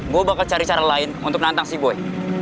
gue bakal cari cara lain untuk nantang si boy